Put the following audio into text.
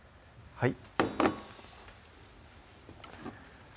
はい